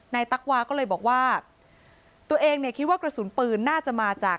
ตั๊กวาก็เลยบอกว่าตัวเองเนี่ยคิดว่ากระสุนปืนน่าจะมาจาก